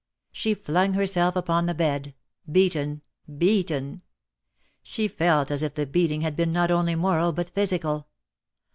She flung herself upon the bed, beaten, beaten! She felt as if the beating had been not only moral but physical.